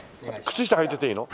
靴下はいてていいの？